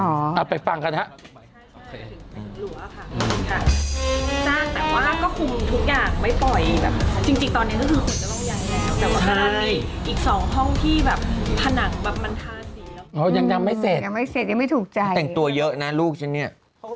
อ๋อยังจำไม่เสร็จยังไม่ถูกใจแต่งตัวเยอะนะลูกชั้นนี่